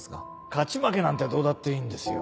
勝ち負けなんてどうだっていいんですよ。